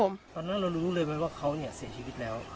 ตอนนั้นเรารู้เลยไหมว่าเขาเนี่ยเสียชีวิตแล้ว